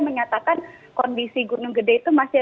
menyatakan kondisi gunung gede ini yang sangat berbeda